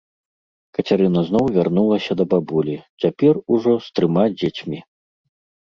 Кацярына зноў вярнулася да бабулі, цяпер ужо з трыма дзецьмі.